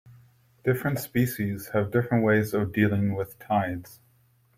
Different species have different ways of dealing with tides.